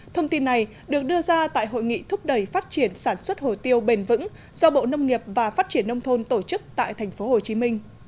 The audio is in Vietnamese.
thông tin này được đưa ra tại hội nghị thúc đẩy phát triển sản xuất hồ tiêu bền vững do bộ nông nghiệp và phát triển nông thôn tổ chức tại tp hcm